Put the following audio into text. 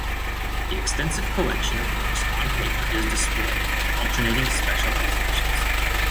The extensive collection of works on paper is displayed in alternating special exhibitions.